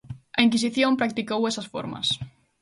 A Inquisición practicou esas formas.